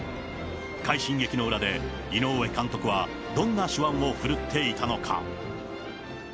快進撃の裏で、井上監督はどんな手腕を振るっていたのか。